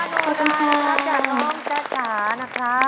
รองรำด้วยความประโยชน์